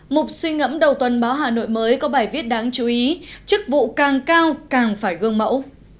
một suy ngẫm đầu tuần báo hà nội mới có bài viết đáng chú ý chức vụ càng cao càng phải gương mẫu